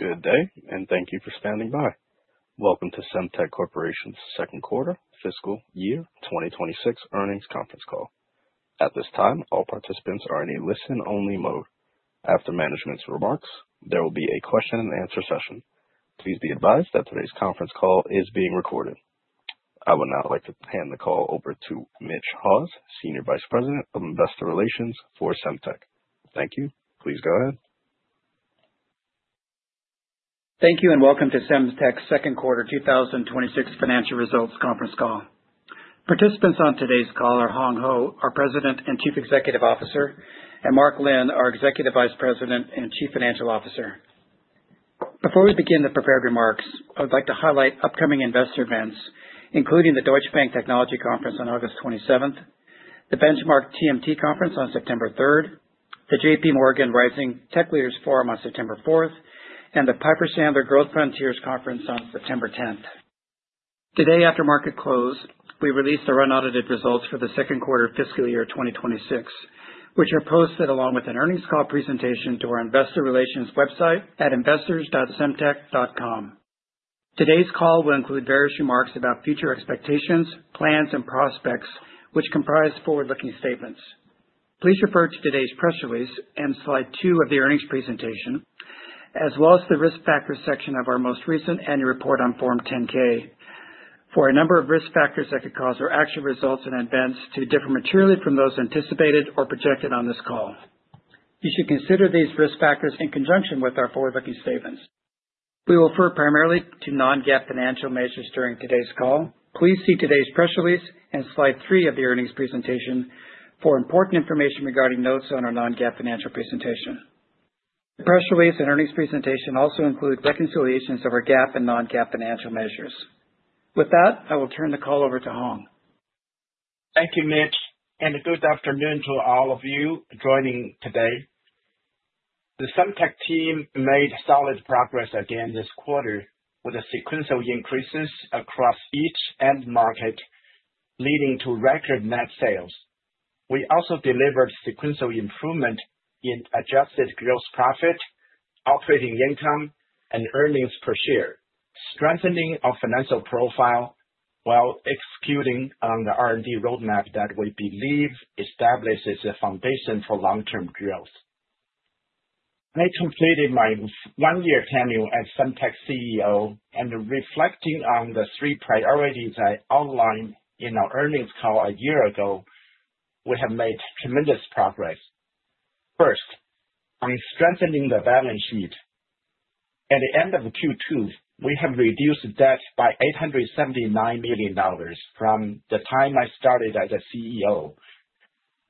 Good day and thank you for standing by. Welcome to Semtech Corporation's Second Quarter Fiscal Year 2026 Earnings Conference Call. At this time, all participants are in a listen-only mode. After management's remarks, there will be a question and answer session. Please be advised that today's conference call is being recorded. I would now like to hand the call over to Mitch Haws, Senior Vice President of Investor Relations for Semtech. Thank you. Please go ahead. Thank you and welcome to Semtech's Second Quarter 2026 Financial Results Conference Call. Participants on today's call are Hong Hou, our President and Chief Executive Officer, and Mark Lin, our Executive Vice President and Chief Financial Officer. Before we begin the prepared remarks, I would like to highlight upcoming investor events including the Deutsche Bank Technology Conference on August 27, the Benchmark TMT Conference on September 3, the JPMorgan Rising Tech Leaders Forum on September 4, and the Piper Sandler Growth Frontiers Conference on September 10. Today after market close, we released our unaudited results for the second quarter fiscal year 2026, which are posted along with an earnings call presentation to our investor relations website at investors.semtech.com. Today's call will include various remarks about future expectations, plans, and prospects which comprise forward-looking statements. Please refer to today's press release and slide two of the earnings presentation as well as the Risk Factors section of our most recent annual report on Form 10-K for a number of risk factors that could cause our actual results and events to differ materially from those anticipated or projected on this call. You should consider these risk factors in conjunction with our forward-looking statements. We will refer primarily to non-GAAP financial measures during today's call. Please see today's press release and slide three of the earnings presentation for important information regarding notes on our non-GAAP financial presentation. Press release and earnings presentation also include reconciliations of our GAAP and non-GAAP financial measures. With that, I will turn the call over to Hong. Thank you, Mitch, and good afternoon to all of you. Joining today, the Semtech team made solid progress again this quarter with the sequential increases across each end market leading to record net sales. We also delivered sequential improvement in adjusted gross profit, operating income, and earnings per share, strengthening our financial profile while executing on the R&D roadmap that we believe establishes a foundation for long term growth. I completed my one year tenure as Semtech CEO, and reflecting on the three priorities I outlined in our earnings call a year ago, we have made tremendous progress. First, on strengthening the balance sheet, at the end of Q2 we have reduced debt by $879 million from the time I started as CEO,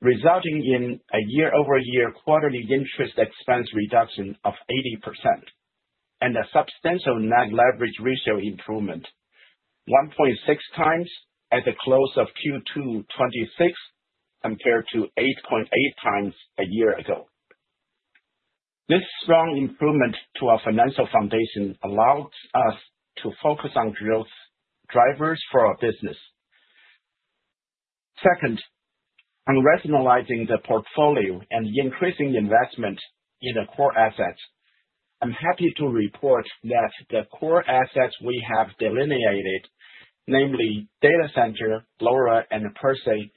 resulting in a year-over-year quarterly interest expense reduction of 80% and a substantial net leverage ratio improvement, 1.6x at the close of Q2 2026 compared to 8.8x a year ago. This strong improvement to our financial foundation allows us to focus on growth drivers for our business. Second, on rationalizing the portfolio and increasing investment in the core assets. I'm happy to report that the core assets we have delineated, namely Data Center, LoRa, and PerSe,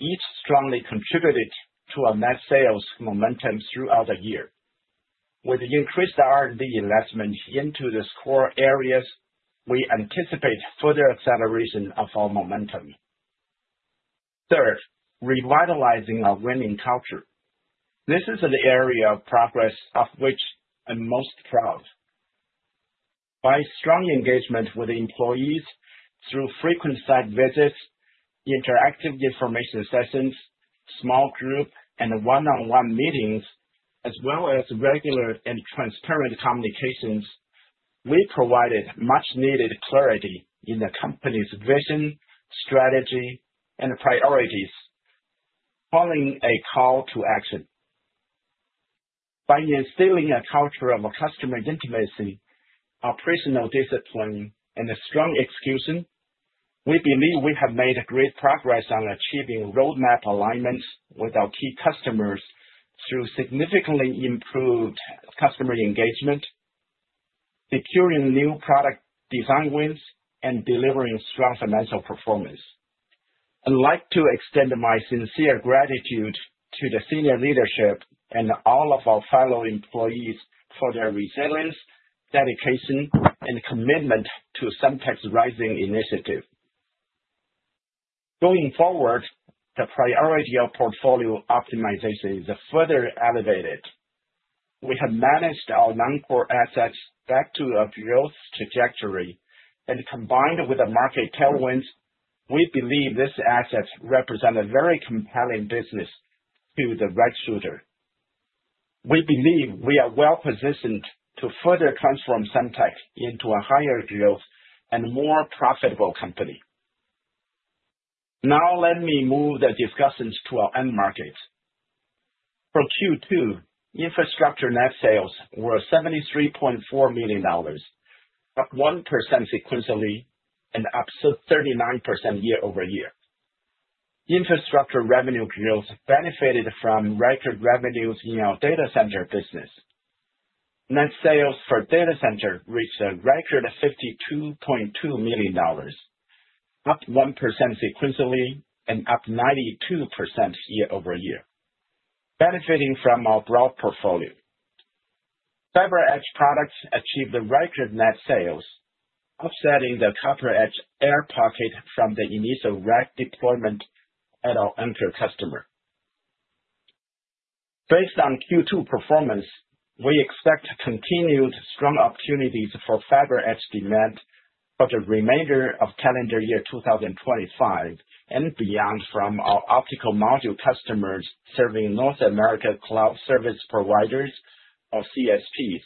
each strongly contributed to our net sales momentum throughout the year. With increased R&D investment into the core areas, we anticipate further acceleration of our momentum. Third, revitalizing our winning culture. This is an area of progress of which I'm most proud. By strong engagement with employees through frequent site visits, interactive information sessions, small group and one on one meetings, as well as regular and transparent communications, we provided much needed clarity in the company's vision, strategy, and priorities following a call to action. By instilling a culture of customer intimacy, operational discipline, and strong execution, we believe we have made great progress on achieving roadmap alignments with our key customers through significantly improved customer engagement, securing new product design wins, and delivering strong financial performance. I'd like to extend my sincere gratitude to the senior leadership and all of our fellow employees for their resilience, dedication, and commitment to Semtech's rising initiative. Going forward, the priority of portfolio optimization is further elevated. We have managed our non-core assets back to a growth trajectory, and combined with the market tailwinds, we believe these assets represent a very compelling business to the right suitor. We believe we are well positioned to further transform Semtech into a higher growth and more profitable company. Now let me move the discussions to our end markets. For Q2, Infrastructure net sales were $73.4 million, up 1% sequentially and up 39% year-over-year. Infrastructure revenue growth benefited from record revenues in our Data Center business. Net sales for Data Center reached a record of $52.2 million, up 1% sequentially and up 92% year-over-year. Benefiting from our broad portfolio, FibreEdge products achieved record net sales, offsetting the CopperEdge air pocket from the initial RAC deployment at our end customer. Based on Q2 performance, we expect continued strong opportunities for FibreEdge demand for the remainder of calendar year 2025 and beyond from our optical module customers serving North America cloud service providers, or CSPs.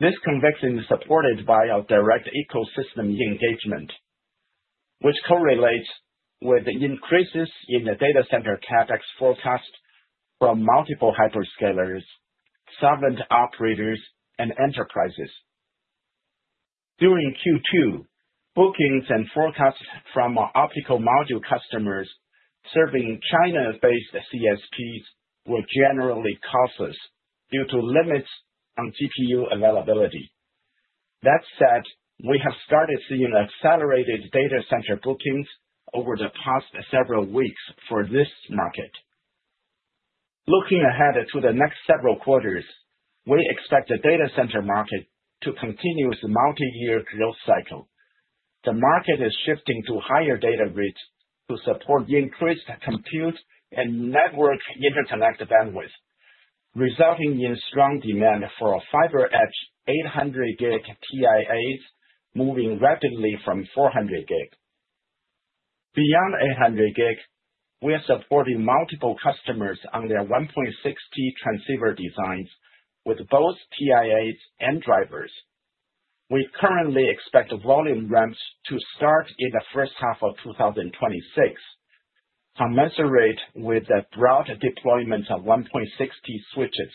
This conviction is supported by our direct ecosystem engagement, which correlates with increases in the data center CapEx forecast from multiple hyperscalers, sovereignty operators, and enterprises. During Q2, bookings and forecasts from optical module customers serving China-based CSPs were generally cautious due to limits on CPU availability. That said, we have started seeing accelerated data center bookings over the past several weeks for this market. Looking ahead to the next several quarters, we expect the data center market to continue its multiyear growth cycle. The market is shifting to higher data rates to support increased compute and network interconnect bandwidth, resulting in strong demand for 800G pias, moving rapidly from 400G. Beyond 800G, we are supporting multiple customers on 1.6T transceiver designs with both TIAs and drivers. We currently expect volume ramps to start in the first half of 2026, commensurate with a broad deployment 1.6T switches.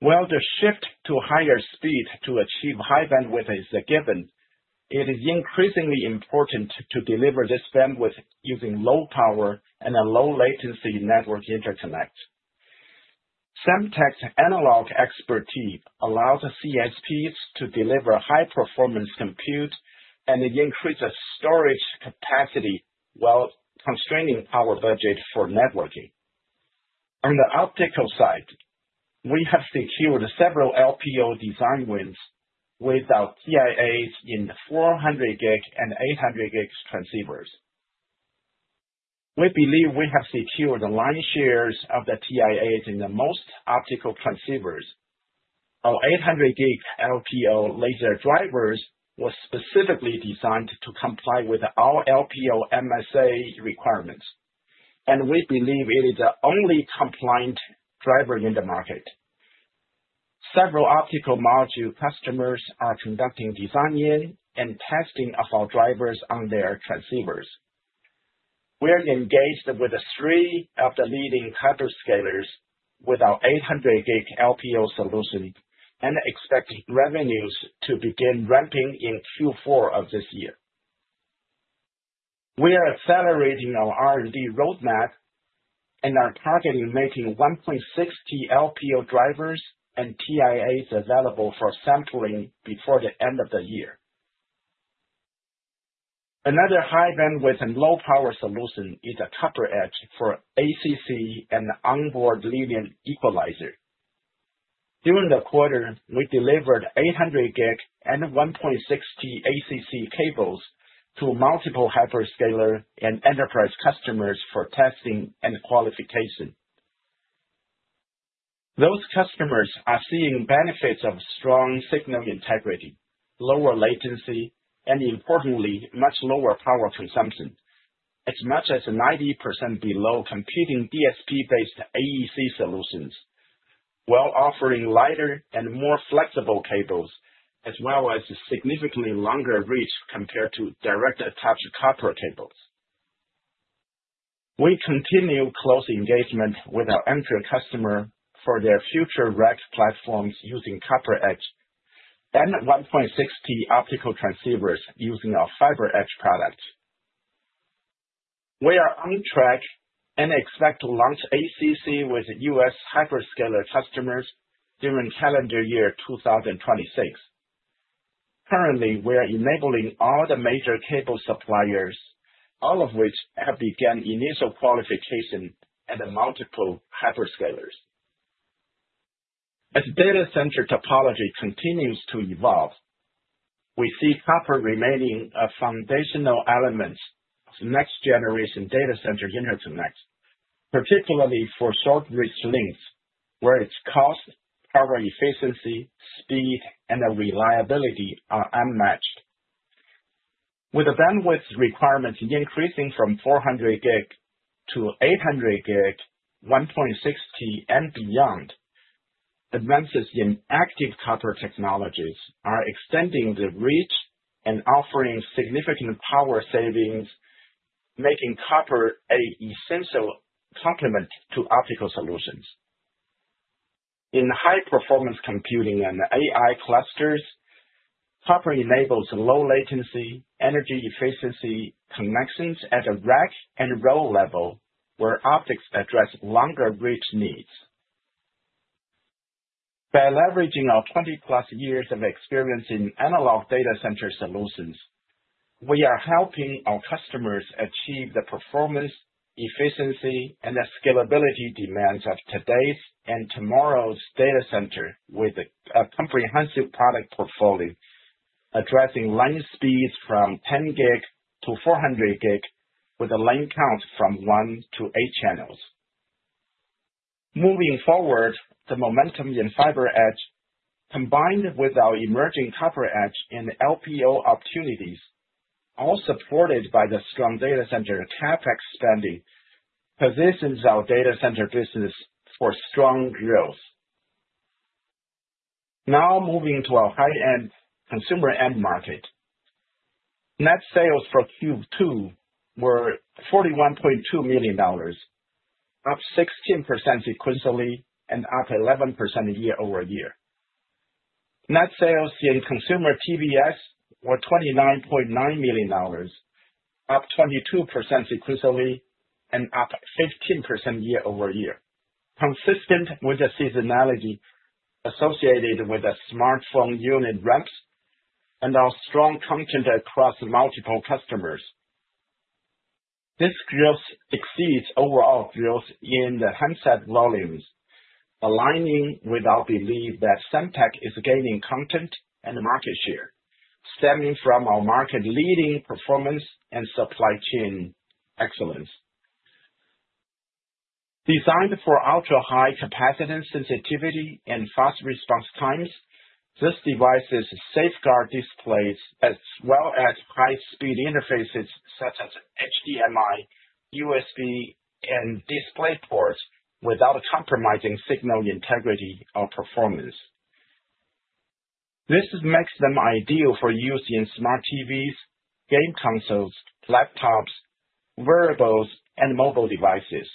While the shift to higher speed to achieve high bandwidth is given, it is increasingly important to deliver this bandwidth using low power and a low latency network interconnect. Semtech's analog expertise allows CSPs to deliver high performance compute and increases storage capacity while constraining our budget for networking. On the optical side, we have secured several LPO design wins without TIAs 400G and 800Gtransceivers. We believe we have secured the lion's share of the TIAs in most optical transceivers. 800G LPO laser drivers were specifically designed to comply with all LPO MSA requirements, and we believe it is the only compliant driver in the market. Several optical module customers are conducting design-in and testing of our drivers on their transceivers. We are engaged with three of the leading hyperscalers with 800G LPO solution and expect revenues to begin ramping in Q4 of this year. We are accelerating our R&D roadmap and are targeting 1.6T LPO drivers and TIAs available for sampling before the end of the year. Another high bandwidth and low power solution is CopperEdge for ACC and onboard linear equalizer. During the quarter 800G and 1.6T ACC cables to multiple hyperscaler and enterprise customers for testing and qualification. Those customers are seeing benefits of strong signal integrity, lower latency, and importantly much lower power consumption, as much as 90% below competing DSP-based AEC solutions, while offering lighter and more flexible cables as well as a significantly longer reach compared to direct attached copper cables. We continue close engagement with our major customer for their future rack platforms using CopperEdge 1.6T optical transceivers using our FibreEdge product. We are on track and expect to launch ACC with U.S. hyperscaler customers during calendar year 2026. Currently, we are enabling all the major cable suppliers, all of which have begun initial qualification at multiple hyperscalers. As data center topology continues to evolve, we see Copper remaining a foundational element to next generation data center unit to net, particularly for short reach links where its cost, power efficiency, speed, and reliability are unmatched. With the bandwidth requirements increasing from 400G to 800G, 1.6T and beyond, advances in active copper technologies are extending the reach and offering significant power savings, making copper an essential complement to optical solutions in high performance computing and AI clusters. Copper enables low latency, energy efficient connections at a rack and row level where optics address longer reach needs. By leveraging our 20+ years of experience in analog data center solutions, we are helping our customers achieve the performance, efficiency, and scalability demands of today's and tomorrow's data center with a comprehensive product portfolio addressing LAN speeds 10G to 400G with a LAN count from one to eight channels. Moving forward, the momentum in FibreEdge combined with our emerging CopperEdge and LPO opportunities, all supported by the strong data center CapEx spending, positions our data center business for strong growth. Now moving to our high end consumer end market. Net sales for Q2 were $41.2 million, up 16% sequentially and up 11% year-over-year. Net sales in consumer TVS were $29.9 million, up 22% sequentially and up 15% year-over-year, consistent with the seasonality associated with the smartphone unit ramps and our strong content across multiple customers. This growth exceeds overall growth in the handset volumes, aligning with our belief that Semtech is gaining content and market share stemming from our market leading performance and supply chain excellence. Designed for ultra high capacitance sensitivity and fast response times, this device safeguards displays as well as high speed interfaces such as HDMI, USB, and display ports without compromising signal integrity or performance. This makes them ideal for use in smart TVs, game consoles, laptops, wearables, and mobile devices.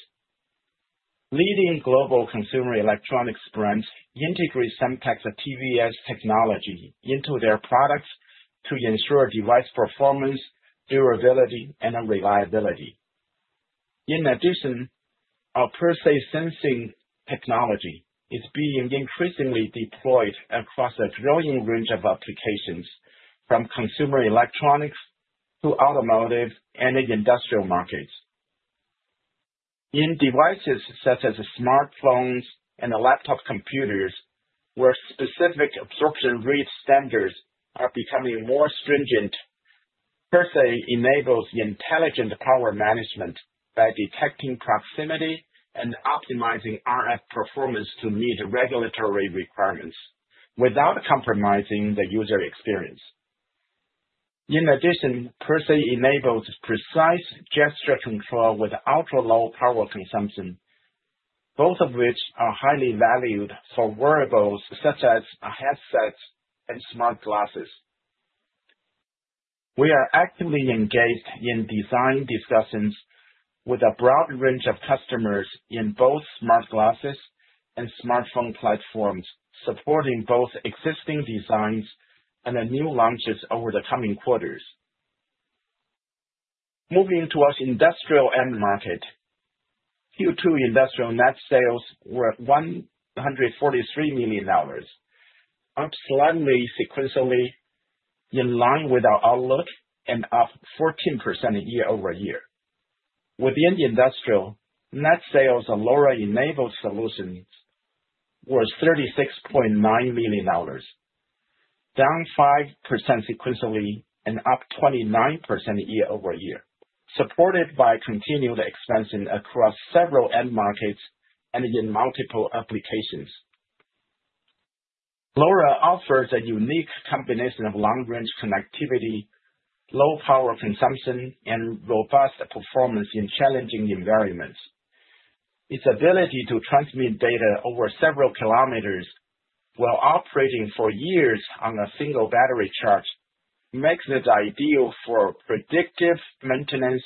Leading global consumer electronics brands integrate Semtech technology into their products to ensure device performance, durability, and reliability. In addition, our PerSe sensing technology is being increasingly deployed across a thrilling range of applications from consumer electronics to automotive and industrial markets. In devices such as smartphones and laptop computers where specific absorption rate standards are becoming more stringent, PerSe enables intelligent power management by detecting proximity and optimizing RF performance to meet regulatory requirements without compromising the user experience. In addition, PerSe enables precise gesture control with ultra low power consumption, both of which are highly valued for wearables such as a headset and smart glasses. We are actively engaged in design discussions with a broad range of customers in both smart glasses and smartphone platforms, supporting both existing designs and new launches over the coming quarters. Moving towards industrial end market, Q2 industrial net sales were $143 million, up slightly sequentially in line with our outlook and up 14% year-over-year. Within industrial, net sales of LoRa enabled solutions were $36.9 million, down 5% sequentially and up 29% year-over-year, supported by continued expansion across several end markets and in multiple applications. LoRa offers a unique combination of long range connectivity, low power consumption and robust performance in challenging environments. Its ability to transmit data over several kilometers while operating for years on a single battery charge makes it ideal for predictive maintenance,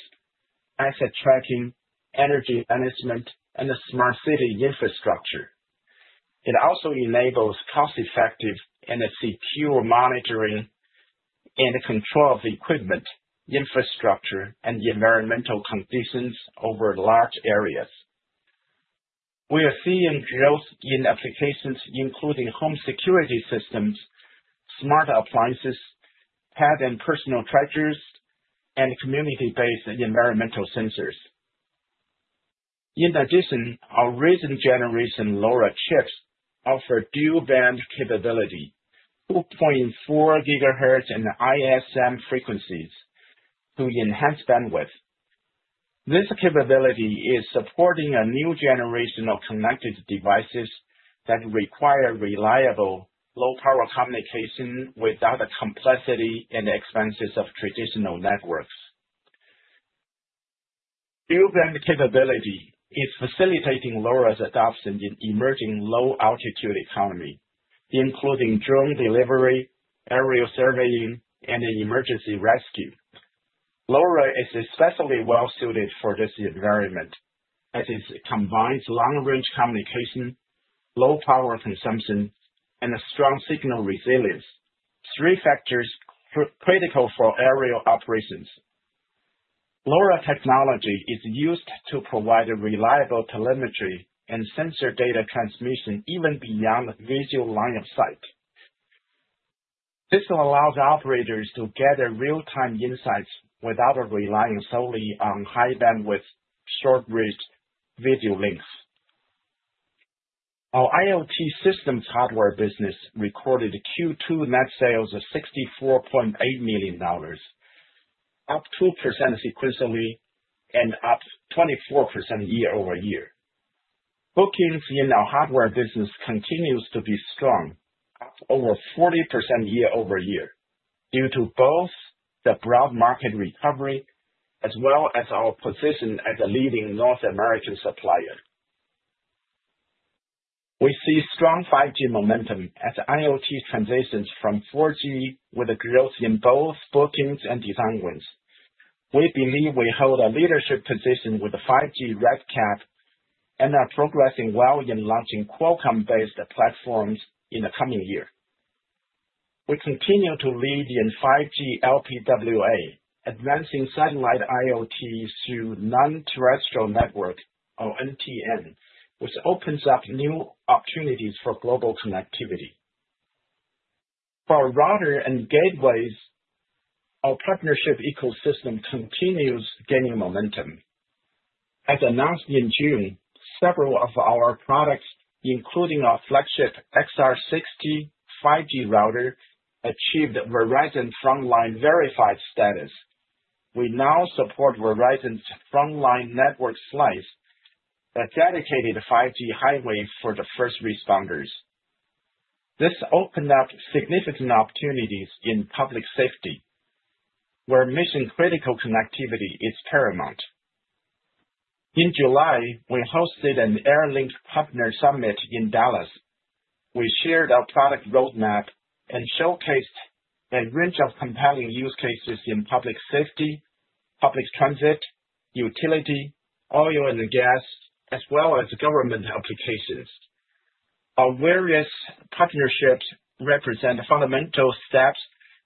asset tracking, energy management and smart city infrastructure. It also enables cost effective and secure monitoring and control of equipment, infrastructure and the environmental conditions over large areas. We are seeing growth in applications including home security systems, smarter appliances, pattern personal chargers and community based environmental sensors. In addition, our recently generation LoRa chips offer dual-band capability, 2.4 GHz and ISM frequencies to enhance bandwidth. This capability is supporting a new generation of connected devices that require reliable low power communication without the complexity and expenses of traditional networks. Dual-band capability is facilitating LoRa's adoption in emerging low-altitude economy including drone delivery, aerial surveying and emergency rescue. LoRa is especially well suited for this environment as it combines longer range communication, low power consumption and a strong signal resilience. Three factors critical for aerial operations, LoRa technology is used to provide a reliable telemetry and sensor data transmission even beyond visual line of sight. This allows operators to gather real-time insights without relying solely on high-bandwidth short-range video links. Our IoT systems hardware business recorded Q2 net sales of $64.8 million, up 2% sequentially and up 24% year-over-year. Bookings in our hardware business continue to be strong, over 40% year-over-year, due to the broad market recovery as well as our position as a leading North American supplier. We see strong 5G momentum as IoT transitions from 4G, with a growth in both bookings and design wins. We believe we hold a leadership position with the 5G RedCap and are progressing well in launching Qualcomm-based platforms in the coming year. We continue to lead in 5G LPWA, advancing satellite IoT through non-terrestrial network on NTN, which opens up new opportunities for global connectivity for routers and gateways. Our partnership ecosystem continues gaining momentum. As announced in June, several of our products, including our flagship XR60 5G router, achieved Verizon Frontline Verified status. We now support Verizon Frontline's Network Slice, a dedicated 5G highway for the first responders. This opened up significant opportunities in public safety where mission-critical connectivity is paramount. In July, we hosted an Airlink Partner Summit in Dallas. We shared our product roadmap and showcased a range of compelling use cases in public safety, public transit, utility, oil and gas, as well as government applications. Our various partnerships represent fundamental steps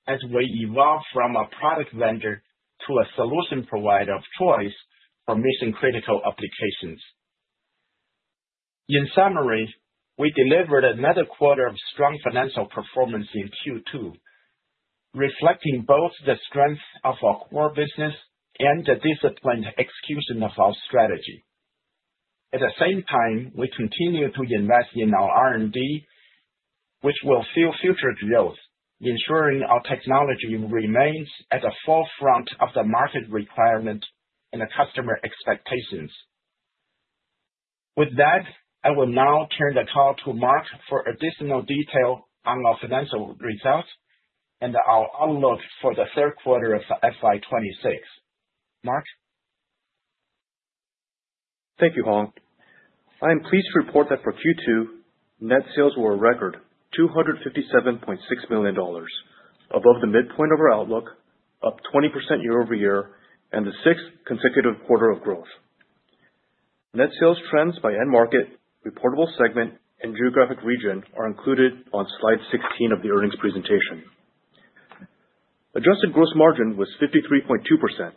as we evolve from a product vendor to a solution provider of choice for mission-critical applications. In summary, we delivered another quarter of strong financial performance in Q2, reflecting both the strength of our core business and the disciplined execution of our strategy. At the same time, we continue to invest in our R&D, which will fuel future growth, ensuring our technology remains at the forefront of the market requirement and the customer expectations. With that, I will now turn the call to Mark for additional detail on our financial results and our outlook for the third quarter of FY 2026. Mark. Thank you, Hong. I am pleased to report that for Q2, net sales were a record $257.6 million, above the midpoint of our outlook, up 20% year-over-year and the sixth consecutive quarter of growth. Net sales trends by end market, reportable segment, and geographic region are included on slide 16 of the earnings presentation. Adjusted gross margin was 53.2%,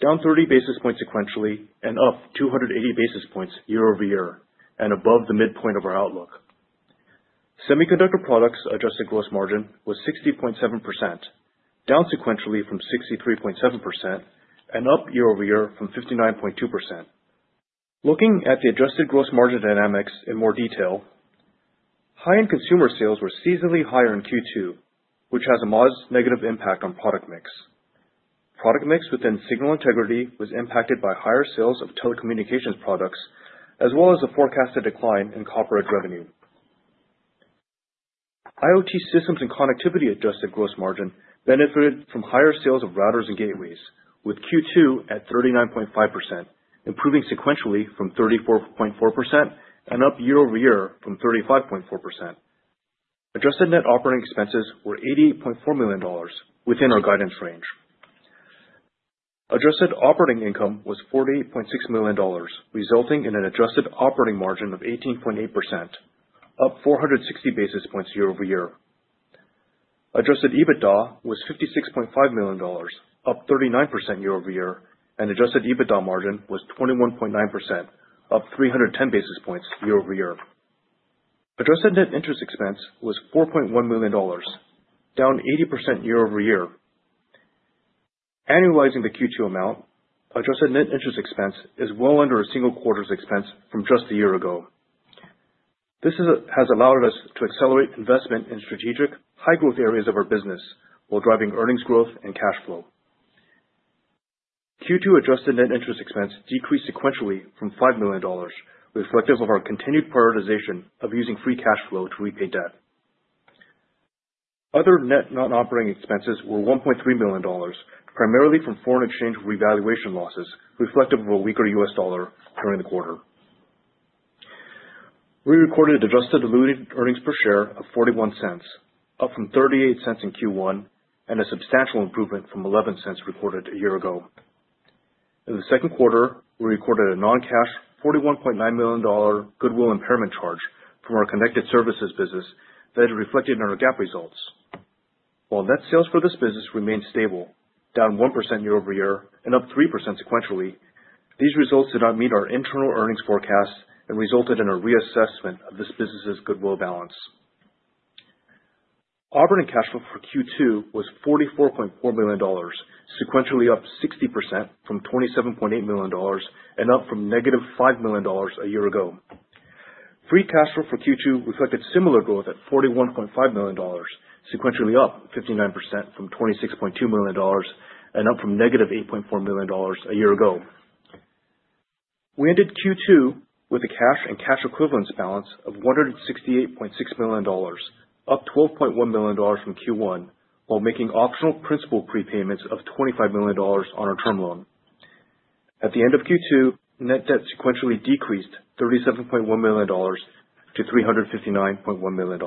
down 30 basis points sequentially and up 280 basis points year-over-year and above the midpoint of our outlook. Semiconductor products adjusted gross margin was 60.7%, down sequentially from 63.7% and up year-over-year from 59.2%. Looking at the adjusted gross margin dynamics in more detail, high end consumer sales were seasonally higher in Q2, which has a modest negative impact on product mix. Product mix within signal integrity was impacted by higher sales of telecommunications products as well as a forecasted decline in Copper's revenue, IoT systems, and connectivity. Adjusted gross margin benefited from higher sales of routers and gateways, with Q2 at 39.5%, improving sequentially from 34.4% and up year-over-year from 35.4%. Adjusted net operating expenses were $88.4 million within our guidance range. Adjusted operating income was $48.6 million, resulting in an adjusted operating margin of 18.8%, up 460 basis points year-over-year. Adjusted EBITDA was $56.5 million, up 39% year-over-year, and adjusted EBITDA margin was 21.9%, up 310 basis points year-over-year. Adjusted net interest expense was $4.1 million, down 80% year-over-year. Annualizing the Q2 amount, adjusted net interest expense is well under a single quarter's expense from just a year ago. This has allowed us to accelerate investment in strategic high growth areas of our business while driving earnings growth and cash flow. Q2 adjusted net interest expense decreased sequentially from $5 million, reflective of our continued prioritization of using free cash flow to repay debt. Other net non-operating expenses were $1.3 million, primarily from foreign exchange revaluation losses reflective of a weaker U.S. Dollar. During the quarter, we recorded adjusted diluted earnings per share of $0.41, up from $0.38 in Q1 and a substantial improvement from $0.11 recorded a year ago. In the second quarter, we recorded a non-cash $41.9 million goodwill impairment charge from our connected services business that is reflected in our GAAP results, while net sales for this business remained stable, down 1% year-over-year and up 3% sequentially. These results did not meet our internal earnings forecasts and resulted in a reassessment of this business's goodwill balance. Operating cash flow for Q2 was $44.4 million, sequentially up 60% from $27.8 million and up from -$5 million a year ago. Free cash flow for Q2 reflected similar growth at $41.5 million, sequentially up 59% from $26.2 million and up from -$8.4 million a year ago. We ended Q2 with a cash and Cash equivalents balance of $168.6 million, up $12.1 million from Q1 while making optional principal prepayments of $25 million on our term loan. At the end of Q2, net debt sequentially decreased $37.1 million to $359.1 million.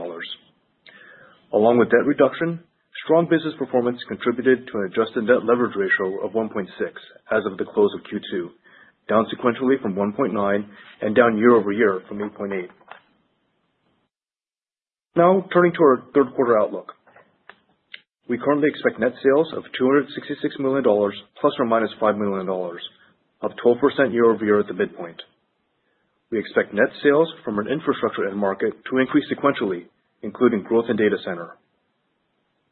Along with debt reduction, strong business performance contributed to an adjusted net leverage ratio of 1.6x as of the close of Q2, down sequentially from 1.9x and down year-over-year from 8.8x. Now turning to our third quarter outlook, we currently expect net sales of $266 million ± $5 million, up 12% year-over-year at the midpoint. We expect net sales from an infrastructure end market to increase sequentially, including growth in Data Center.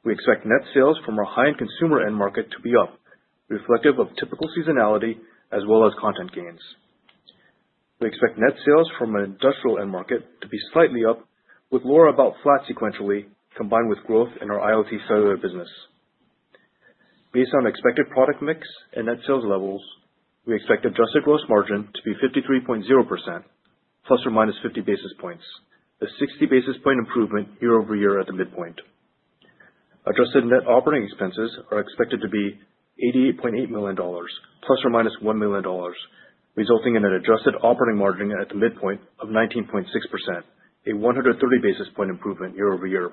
We expect net sales from our high end consumer end market to be up, reflective of typical seasonality as well as content gains. We expect net sales from our industrial end market to be slightly up, with LoRa about flat sequentially combined with growth in our IoT cellular business. Based on expected product mix and net sales levels, we expect adjusted gross margin to be 53.0% ± 50 basis points, a 60 basis point improvement year-over-year at the midpoint. Adjusted net operating expenses are expected to be $88.8 million ± $1 million, resulting in an adjusted operating margin at the midpoint of 19.6%, a 130 basis point improvement year-over-year.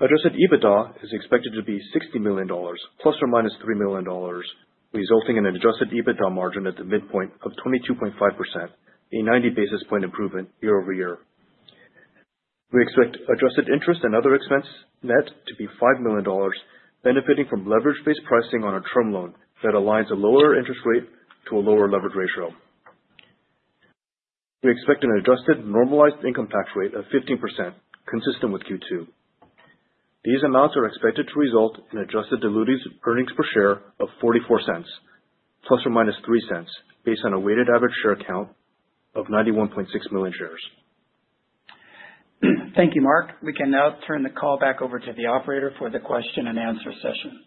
Adjusted EBITDA is expected to be $60 million ± $3 million, resulting in an adjusted EBITDA margin at the midpoint of 22.5%, a 90 basis point improvement year-over-year. We expect adjusted interest and other expense net to be $5 million, benefiting from leverage-based pricing on a term loan. Fed aligns a lower interest rate to a lower leverage ratio. We expect an adjusted normalized income tax rate of 15%, consistent with Q2. These amounts are expected to result in adjusted diluting earnings per share of $0.44 ± $0.03 based on a weighted average share count of 91.6 million shares. Thank you, Mark. We can now turn the call back over to the operator for the question and answer session.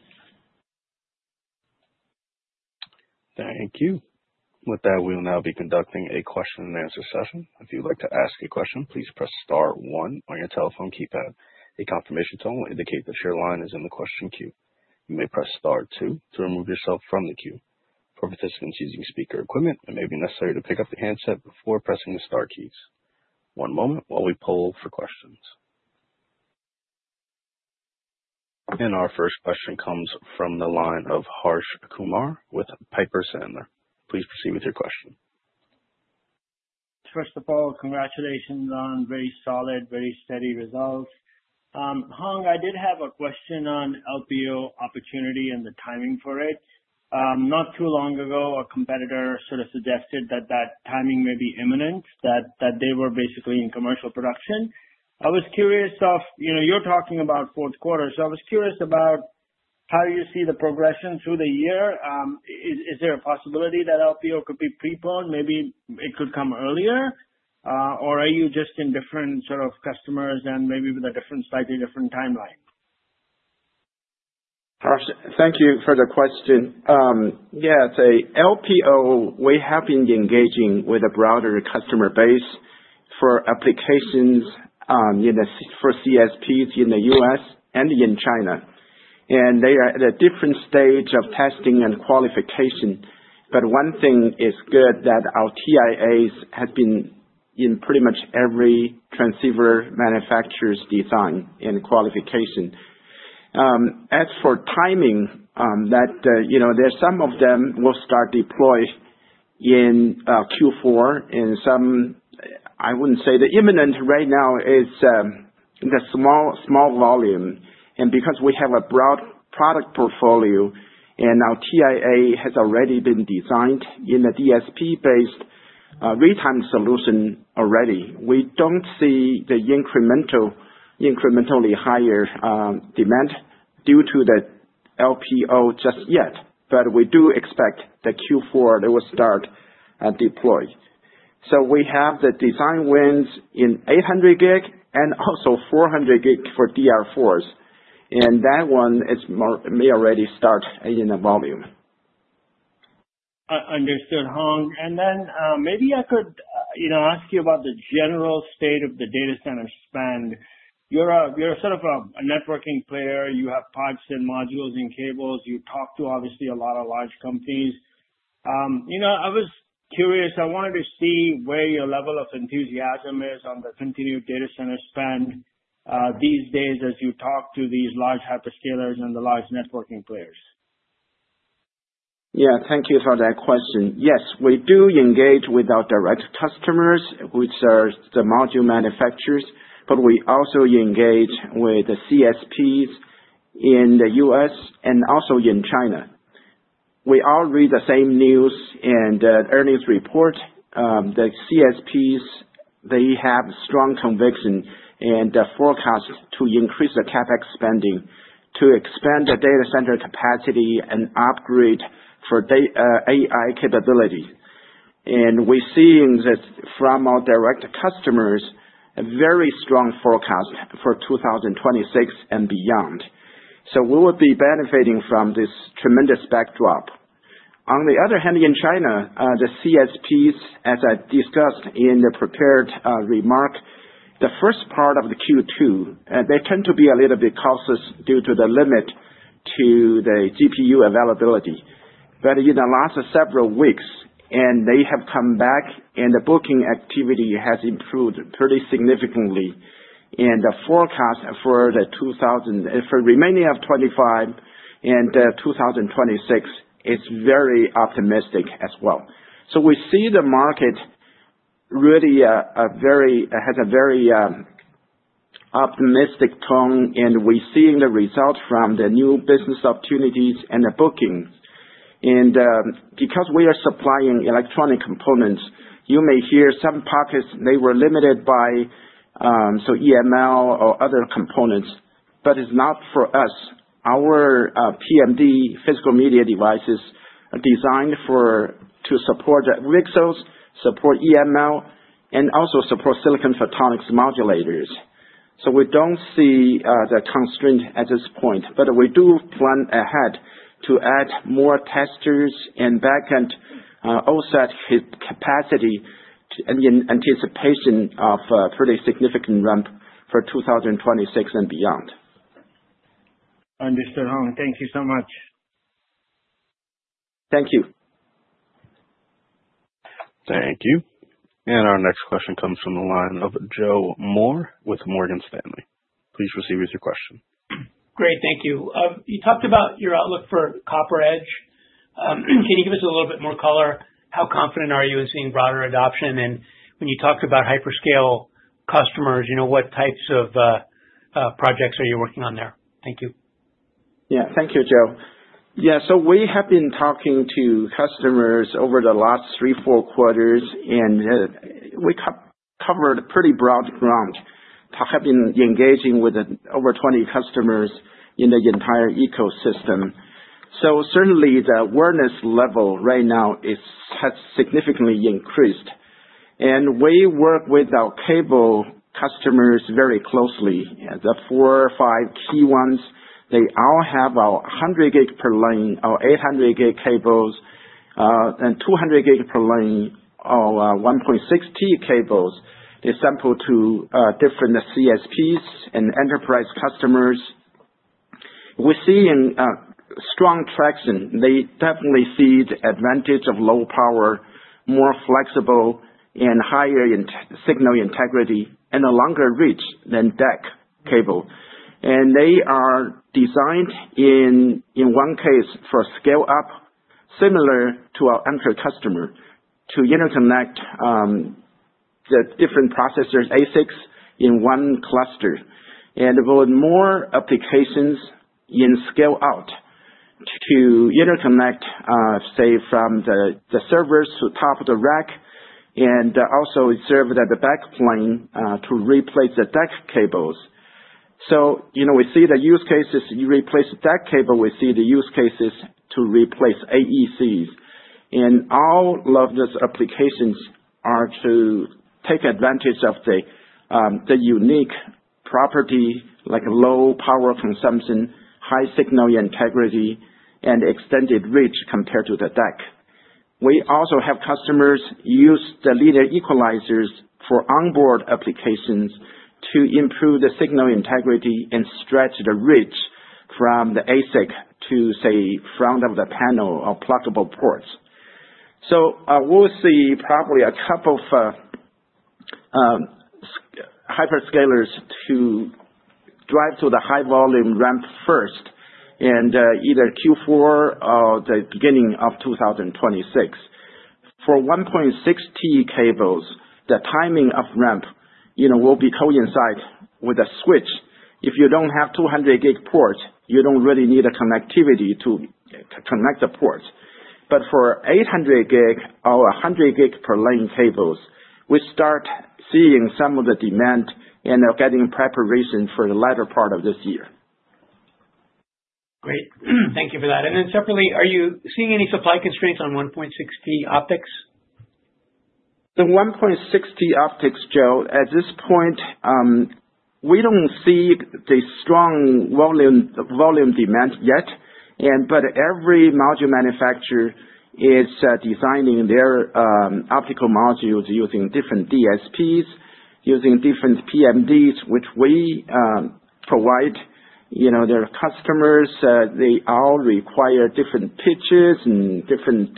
Thank you. With that, we will now be conducting a question and answer session. If you'd like to ask a question, please press star one on your telephone keypad. A confirmation tone will indicate that your line is in the question queue. You may press star two to remove yourself from the queue. For participants using speaker equipment, it may be necessary to pick up the handset before pressing the star keys. One moment while we poll for questions. Our first question comes from the line of Harsh Kumar with Piper Sandler. Please proceed with your question. First of all, congratulations on very solid, very steady results. Hong, I did have a question on LPO opportunity and the timing for it. Not too long ago a competitor sort of suggested that that timing may be imminent, that they were basically in commercial production. I was curious, you know, you're talking about fourth quarter, so I was curious about how you see the progression through the year. Is there a possibility that LPO could be preponed? Maybe it could come earlier? Or are you just in different sort of customers and maybe with a different, slightly different timeline. Thank you for the question. Yeah, LPO, we have been engaging with a broader customer base for applications for CSPs in the U.S. and in China, and they are at a different stage of testing and qualification. One thing is good that our TIAs have been in pretty much every transceiver manufacturer's design and qualification. As for timing, some of them will start deploys in Q4 and some, I wouldn't say they're imminent right now, it's the small, small volume. Because we have a broad product portfolio and now TIA has already been designed in the DSP-based real-time solution already, we don't see the incrementally higher demand due to the LPO just yet. We do expect that Q4 they will start deploy. We have the design wins in 800G and 400G for DL4s. That one may already start in a volume. Understood, Hong. Maybe I could ask you about the general state of the data center spend. You're sort of a networking player. You have pods and modules and cables. You talk to obviously a lot of large companies. I was curious, I wanted to see where your level of enthusiasm is on the continued data center spend these days as you talk to these large hyperscalers and the large networking players. Yeah, thank you for that question. Yes, we do engage with our direct customers, which are the module manufacturers, but we also engage with the CSPs in the U.S. and also in China. We all read the same news and earnings report. The CSPs, they have strong conviction and forecast to increase the CapEx spending to expand the data center capacity and upgrade for AI capability. We are seeing that from our direct customers, a very strong forecast for 2026 and beyond. We would be benefiting from this tremendous backdrop. On the other hand, in China, the CSPs, as I discussed in the prepared remark the first part of the Q2. They tend to be a little bit cautious due to the limit to the GPU availability. In the last several weeks, they have come back and the booking activity has improved pretty significantly, and the forecast for the 2,000 for remaining of 2025 and 2026, it's very optimistic as well. We see the market really has a very optimistic tone and we're seeing the result from the new business opportunities and the bookings. Because we are supplying electronic components, you may hear some pockets they were limited by EML or other components, but it's not for us. Our PMD physical media devices are designed to support wixels, support EML, and also support silicon photonics modulators. We don't see the constraint at this point. We do plan ahead to add more testers and backend offset his capacity in anticipation of pretty significant ramp for 2026 and beyond. Understood. Hong, thank you so much. Thank you. Thank you. Our next question comes from the line of Joe Moore with Morgan Stanley. Please proceed with your question. Great, thank you. You talked about your outlook for CopperEdge. Can you give us a little bit more color? How confident are you in seeing broader adoption? When you talked about hyperscale customers. You know what types of projects are you working on there? Thank you. Thank you, Joe. We have been talking to customers over the last three, four quarters and we covered a pretty broad ground, have been engaging with over 20 customers in the entire ecosystem. Certainly the awareness level right now has significantly increased. We work with our cable customers very closely. The four or five key ones, they all have our 100 gig per lane 800G cables and 200G per lane 1.6T cables. They sample to different CSPs and enterprise customers. We see strong traction. They definitely see the advantage of low power, more flexible, and higher signal integrity. A longer reach than DAC cable. They are designed in one case for scale up similar to our Anchor customer to interconnect the different processors, ASICs in one cluster and more applications in scale out to interconnect, say, from the servers to top of the rack. It also served at the backplane to replace the DAC cables. We see the use cases, you replace DAC cable, we see the use cases to replace AECs. All of these applications are to take advantage of the unique property like low power consumption, high signal integrity, and extended reach compared to the DAC. We also have customers use the leader equalizers for onboard applications to improve the signal integrity and stretch the reach from the ASIC to, say, front of the panel of pluggable ports. We will see probably a couple of hyperscalers to drive to the high volume ramp first in either Q4 or the beginning of 2026. 1.6T cables, the timing of ramp will coincide with a switch. If you don't have 200G port, you don't really need a connectivity to connect the ports. 800G or 100G per lane cables, we start seeing some of the demand and are getting preparation for the latter part of this year. Great, thank you for that. Separately, are you seeing any supply constraints 1.6T optics? 1.6T optics, Joe, at this point we don't see the strong volume demand yet. Every module manufacturer is designing their optical modules using different DSPs, using different PMDs, which we provide. Their customers all require different pitches and different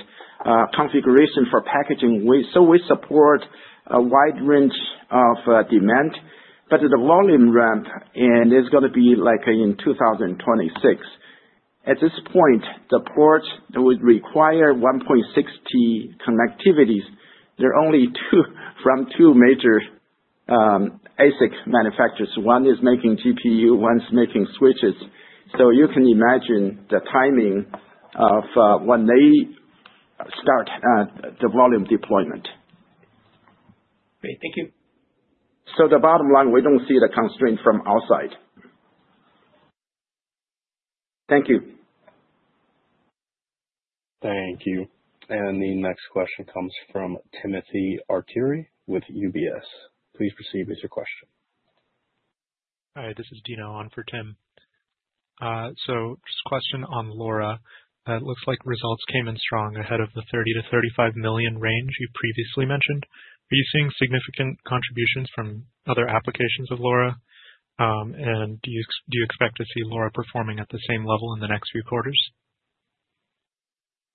configuration for packaging. We support a wide range of demand. The volume ramp is going to be like in 2026 at this point, the port that would 1.6T connectivities. There are only two from two major ASIC manufacturers. One is making GPU, one's making switches. You can imagine the timing of when they start the volume deployment. Great, thank you. The bottom line, we don't see the constraint from outside. Thank you. Thank you. The next question comes from Timothy Arcuri with UBS. Please proceed with your question. Hi, this is Dino on for Tim. Just a question on LoRa, it looks like results came in strong ahead of the $30 million-$35 million range you previously mentioned. Are you seeing significant contributions from other applications of LoRa? Do you expect to see LoRa performing at the same level in the next few quarters?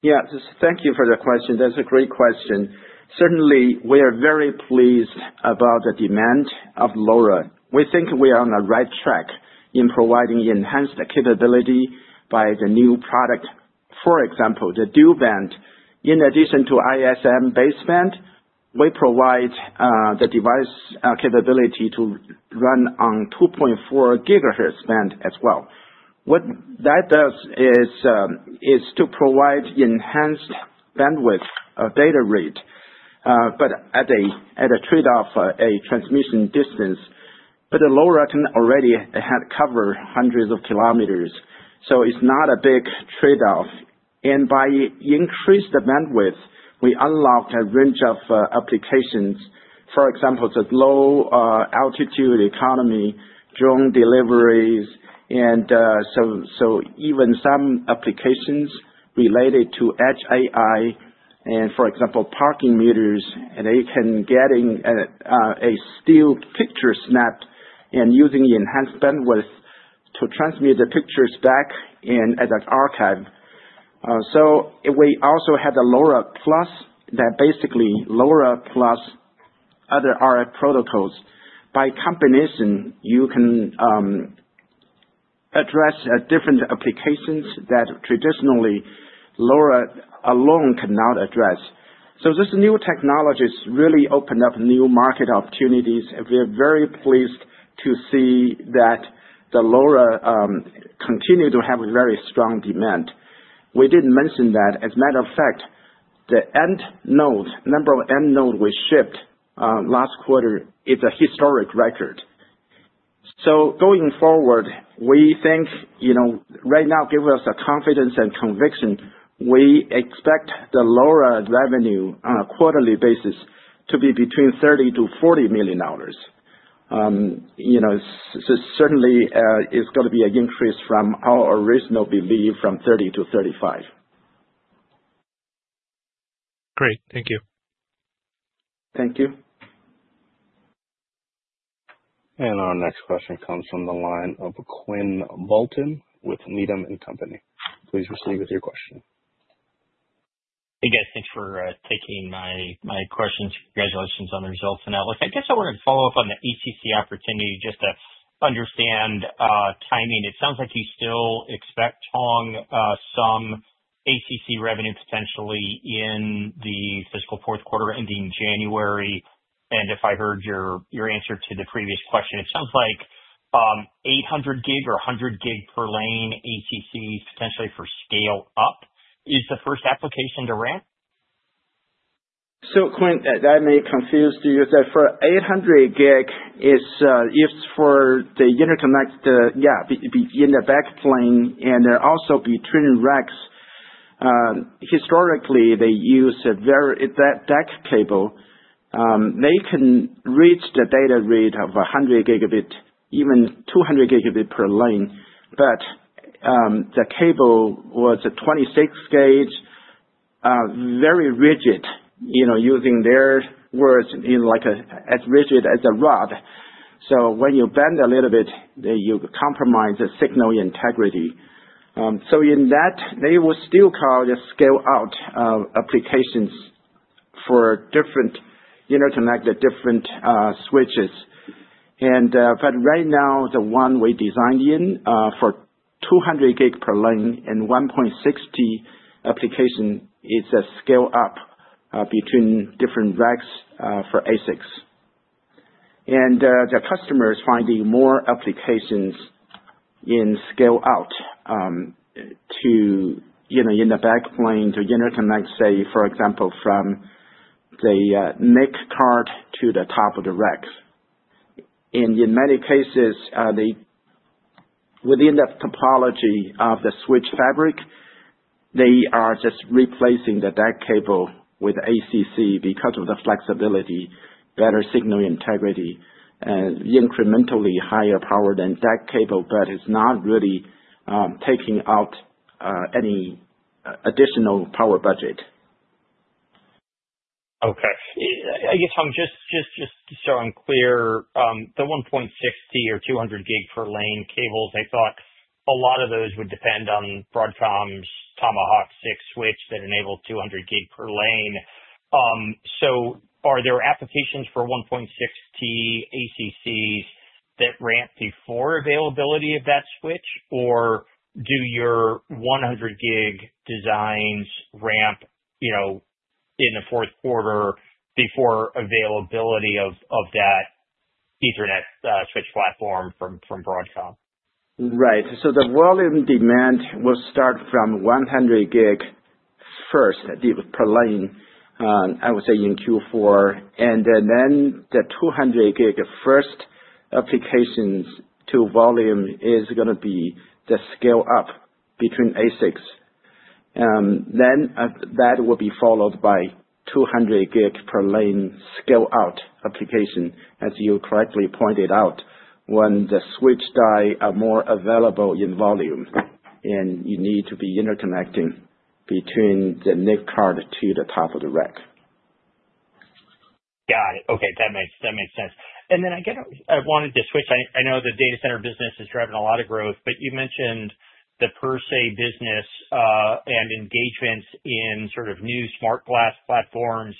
Yeah, thank you for the question. That's a great question. Certainly we are very pleased about the demand of LoRa. We think we are on the right track in providing enhanced capability by the new product. For example, the dual-band, in addition to ISM baseband, we provide the device capability to run on 2.4 GHz band as well. What that does is to provide enhanced bandwidth data rate, at a trade off of transmission distance. The LoRa already had cover hundreds of kilometers, so it's not a big trade off. By increasing the bandwidth, we unlock a range of applications. For example, the low-altitude economy, drone deliveries, and even some applications related to AI and, for example, parking meters. You can get a still picture snap and use the enhanced bandwidth to transmit the pictures back in archive. We also have the LoRa Plus that basically LoRa Plus other RF protocols. By combination, you can address different applications that traditionally LoRa alone cannot address. This new technologies really opened up new market opportunities. We are very pleased to see that the LoRa continue to have a very strong demand. We didn't mention that. As a matter of fact, the end node, number of end node we shipped last quarter is a historic record. Going forward, we think you know right now, give us a confidence and conviction. We expect the LoRa revenue on a quarterly basis to be between $30 million-$40 million. It's going to be an increase from our original belief from $30 million-$35 million. Great, thank you. Thank you. Our next question comes from the line of Quinn Bolton with Needham & Company. Please proceed with your question. Hey guys, thanks for taking my questions. Congratulations on the results and outlook. I wanted to follow up on the ACC opportunity, just to understand timing, it sounds like you still expect some ACC revenue potentially in the fiscal fourth quarter ending January. If I heard your answer to the previous question, it sounds 800G or 100G per lane ACC potentially for scale up is the first application to rank. Quinn, that may confuse you that 800G is if for the interconnect, in the backplane and also between racks. Historically, they use that DAC cable. They can reach the data rate of 100G, 200G per lane, but the cable was a 26 gauge, very rigid, using their words, as rigid as a rod. When you bend a little bit, you compromise the signal integrity. In that, they will still call the scale out applications for different interconnected, different switches. Right now, the one we designed in for 200G per lane 1.6T application, it's a scale up between different racks for ASICs and the customers finding more applications in scale out to, you know, in the backplane to interconnect, say for example from the NIC card to the top of the racks. In many cases, within the topology of the switch fabric, they are just replacing the DAC cable with ACC because of the flexibility, better signal integrity, and incrementally higher power than DAC cable. It's not really taking out any additional power budget. Okay, I guess just so I'm clear, 1.6T or 200G per lane cables, I thought a lot of those would depend on Broadcom's Tomahawk 6 switch that enable 200G per lane. Are there applications 1.6T accs that ramp before availability of that switch? Do your 100 gig designs ramp in the fourth quarter before availability of that Ethernet switch platform from Broadcom? Right. The volume demand will start from 100G first per lane in Q4. The 200G first applications to volume is going to be the scale up between ASICs. That will be followed by 200G per lane scale out application. As you correctly pointed out, when the switch die are more available in volume and you need to be interconnecting between the NIC card to the top of the rack. Got it. Okay, that makes sense. I wanted to switch. I know the data center business is driving a lot of growth, but you mentioned the PerSe business and engagements in sort of new smart glass platforms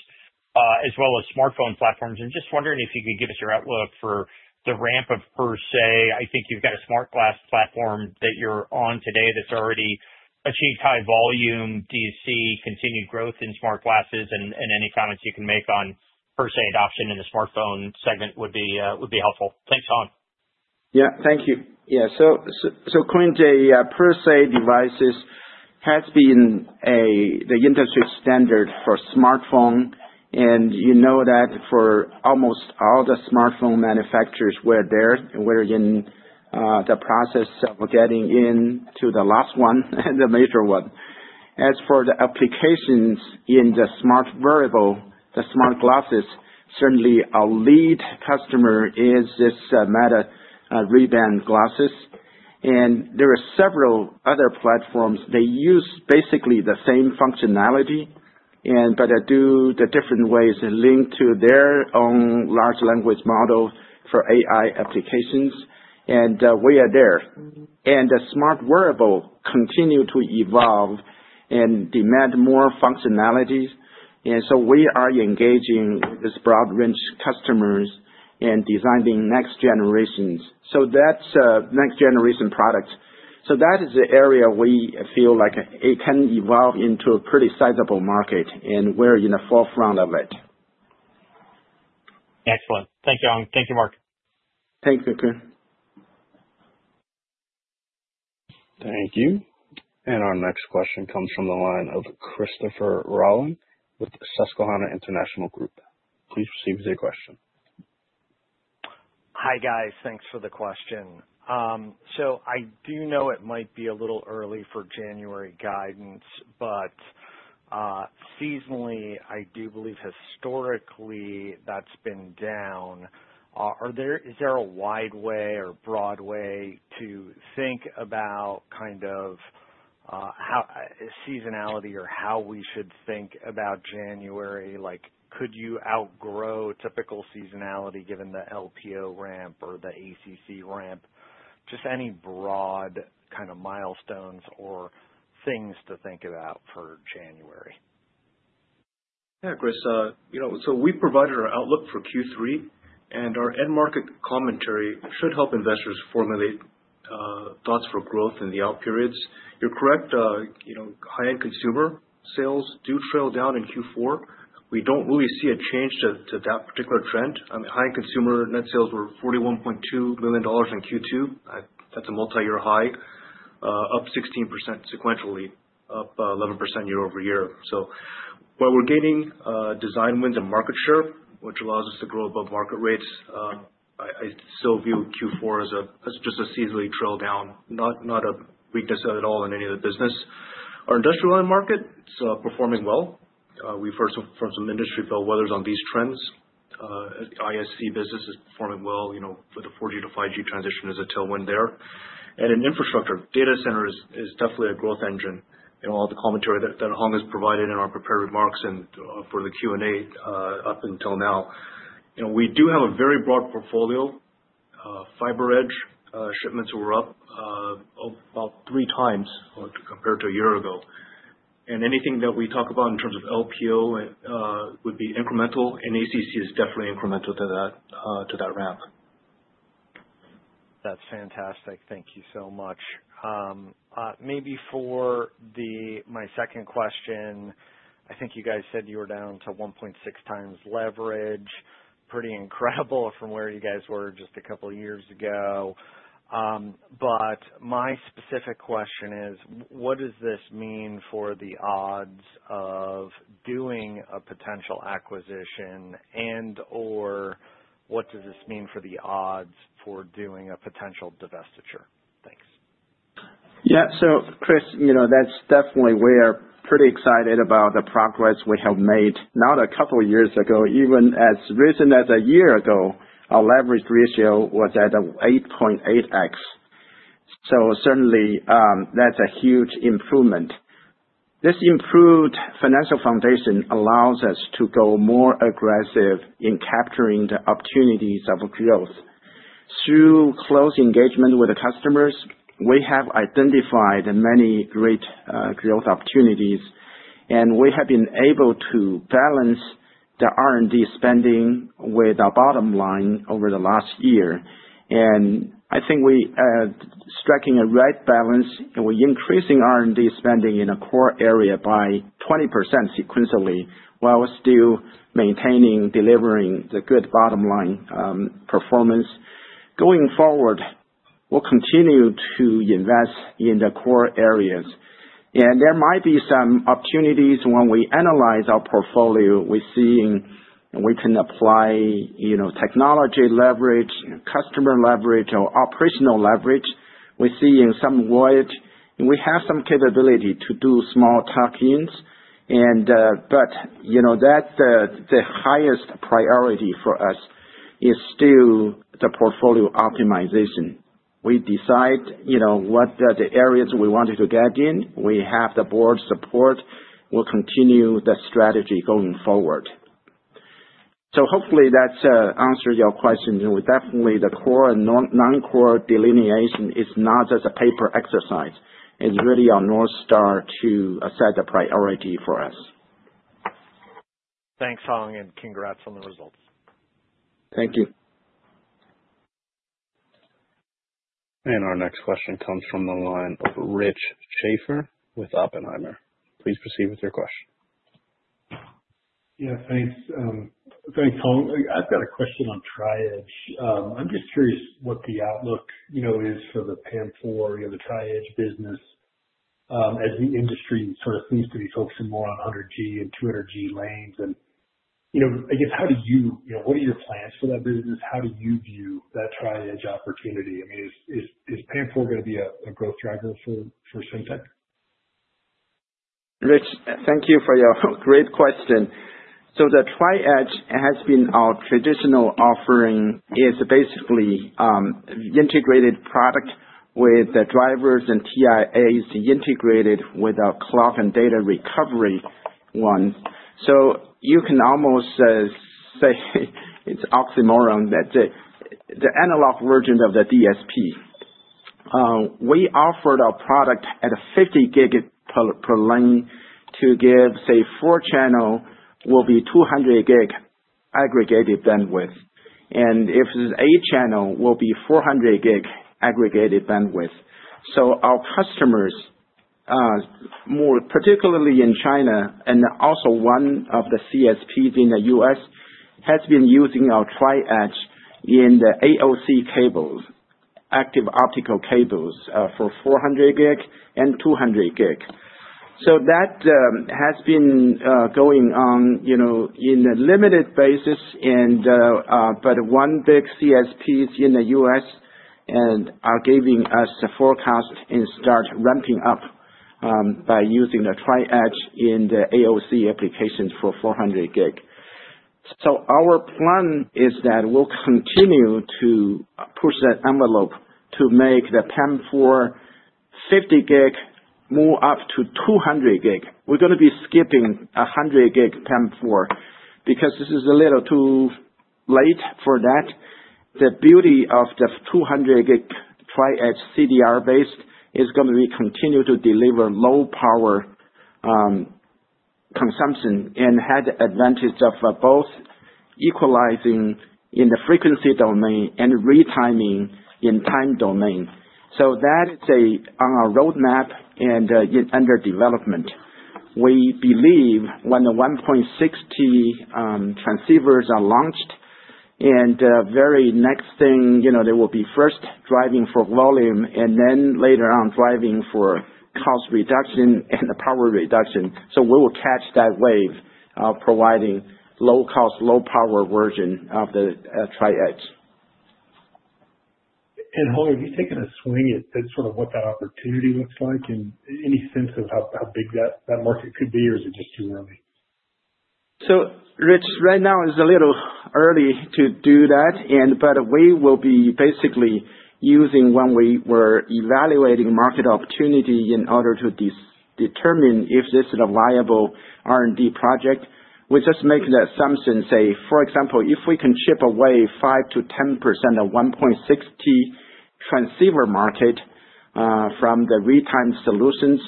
as well as smartphone platforms. I'm just wondering if you could give us your outlook for the ramp of PerSe. I think you've got a smart glass platform that you're on today that's already achieved high volume. Do you see continued growth in smart glasses, and any comments you can make on PerSe adoption in the smartphone segment would be helpful. Thanks, Hong. Thank you. Yeah. So PerSe devices have been the industry standard for smartphone and you know that for almost all the smartphone manufacturers we're there. We're in the process of getting into the last one and the major one. As for the applications in the smart wearable, the smart glasses, certainly our lead customer is this Meta Ray-Ban glasses and there are several other platforms. They use basically the same functionality but do the different ways link to their own large language model for AI applications. We are there and the smart wearable continue to evolve and demand more functionalities, and so we are engaging this broad range customers and designing next generation products. That is the area we feel like it can evolve into a pretty sizable market and we're in the forefront of it. Excellent. Thank you, Hong. Thank you, Mark. Thank you. Thank you. Our next question comes from the line of Christopher Rolland with Susquehanna International Group. Please proceed with your question. Hi guys, thanks for the question. I do know it might be a little early for January guidance, but seasonally I do believe historically that's been down. Is there a wide way or broad way to think about kind of how seasonality or how we should think about January? Like could you outgrow typical seasonality given the LPO ramp or the ACC ramp? Just any broad kind of milestones or things to think about for January. Yeah, Chris, you know, we provided our outlook for Q3 and our end market commentary should help investors formulate thoughts for growth in the out periods. You're correct. High end consumer sales do trail down in Q4. We don't really see a change to that particular trend. High end consumer net sales were $41.2 million in Q2. That's a multi-year high, up 16% sequentially, up 11% year-over-year. While we're gaining design wins and market share, which allows us to grow above market rates, I still view Q4 as just a seasonally trail down, not a weakness at all in any of the business. Our industrial end market is performing well. We've heard from some industry bellwethers on these trends. ISC business is performing well with the 4G to 5G transition as a tailwind there. In infrastructure, data centers is definitely a growth engine. All the commentary that Hong has provided in our prepared remarks and for the Q and A up until now, we do have a very broad portfolio. FibreEdge shipments were up about three times compared to a year ago. Anything that we talk about in terms of LPO would be incremental, and ACC is definitely incremental to that ramp. That's fantastic. Thank you so much. Maybe for my second question, I think you guys said you were down to 1.6x leverage. Pretty incredible from where you guys were just a couple years ago. My specific question is what does this mean for the odds of doing a potential acquisition and what does this mean for the odds for doing a potential divestiture. Thanks. Yeah. Chris, that's definitely. We're pretty excited about the progress we have made. Not a couple years ago, even as recent as a year ago our leverage ratio was at 8.8x. Certainly that's a huge improvement. This improved financial foundation allows us to go more aggressive in capturing the opportunities of growth through close engagement with the customers. We have identified many great growth opportunities and we have been able to balance the R&D spending with our bottom line over the last year. I think we're striking a right balance and we're increasing R&D spending in a core area by 20% sequentially while still maintaining delivering the good bottom line performance going forward. We'll continue to invest in the core areas and there might be some opportunities. When we analyze our portfolio we see we can apply, you know, technology leverage, customer leverage or operational leverage. We see in some voyage we have some capability to do small tuck ins but, you know, the highest priority for us is still the portfolio optimization. We decide, you know, what the areas we wanted to get in. We have the board support. We'll continue the strategy going forward. Hopefully that answers your question. Definitely the core non-core delineation is not as a paper exercise. It's really a North Star to set the priority for us. Thanks, Hong, and congrats on the results. Thank you. Our next question comes from the line of Rick Schafer with Oppenheimer. Please proceed with your question. Yeah, thanks. Thanks. Hong, I've got a question on Tri-Edge. I'm just curious what the outlook is for the PAM4, the Tri-Edge business, as the industry sort of seems to be focusing more on 100G and 200G lanes, and you know, how do you, what are your plans for that business? How do you view that Tri-Edge opportunity? I mean, is PAM4 going to be a growth driver for Semtech? Rich, thank you for your great question. The Tri-Edge has been our traditional offering. It is basically an integrated product with drivers and TIAs integrated with our clock and data recovery one. You can almost say it's an oxymoron that the analog version of the DSP. We offered our product at a 50G per lane, so a 4-channel will be 200G aggregated bandwidth and if 8-channel, it will be 400G aggregated bandwidth. Our customers, more particularly in China and also one of the CSPs in the U.S., have been using our Tri-Edge in the AOC cables, active optical cables, for 400G and 200G. That has been going on in a limited basis, but one big CSP in the U.S. is giving us the forecast and starting to ramp up by using the Tri-Edge in the AOC applications for 400G. Our plan is that we'll continue to push that envelope to make the PAM4 50G move up to 200G. We're going to be skipping 100 gig PAM4 because this is a little too late for that. The beauty of the 200G Tri-Edge CDR-based is going to be continuing to deliver low power consumption and has the advantage of both equalizing in the frequency domain and retiming in the time domain. That is a roadmap and under development. We believe when 1.6T transceivers are launched, the very next thing you know, they will be first driving for volume and then later on driving for cost reduction and power reduction. We will catch that wave, providing low cost, low power versions of the Tri-Edge. Have you taken a swing at sort of what that opportunity looks like and any sense of how big that market could be, or is it just too early? Right now is a little. Early to do that, but we will be basically using when we were evaluating market opportunity in order to determine if this is a viable R&D project. We just make the assumption, say for example if we can chip away 5%-10% 1.6T transceiver market from the retime solutions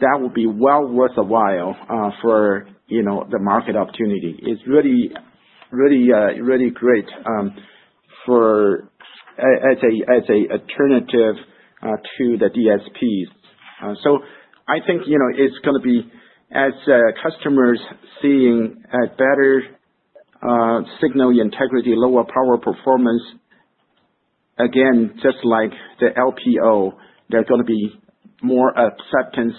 that will be well worthwhile for, you know, the market opportunity. It's really, really, really great for as a, as an alternative to the DSPs. I think, you know, it's going to be as customers seeing a better signal integrity, lower power performance. Again, just like the LPO, there's going to be more acceptance